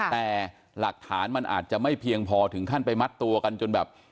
แต่หลักฐานมันอาจจะไม่เพียงพอถึงขั้นไปมัดตัวกันจนแบบ